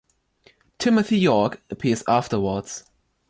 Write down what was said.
“Timothy York” appears afterwards.